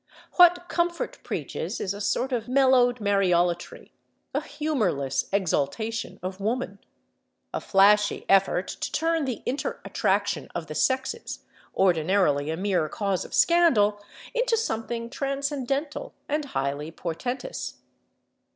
What Comfort preaches is a sort of mellowed mariolatry, a humorless exaltation of woman, a flashy effort to turn the inter attraction of the sexes, ordinarily a mere cause of scandal, into something transcendental and highly portentous.